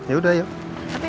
saya jangan di mana jeszcze nih